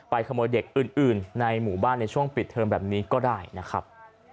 ขโมยเด็กอื่นในหมู่บ้านในช่วงปิดเทอมแบบนี้ก็ได้นะครับ